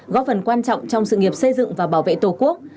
góp phần quan trọng trong sự nghiệp xây dựng và bảo vệ tổ quốc